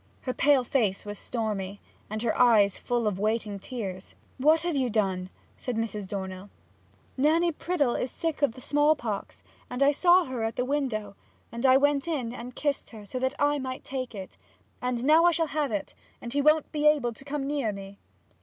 Her pale face was stormy, and her eyes full of waiting tears. 'What have you done?' said Mrs. Dornell. 'Nanny Priddle is sick of the smallpox, and I saw her at the window, and I went in and kissed her, so that I might take it; and now I shall have it, and he won't be able to come near me!'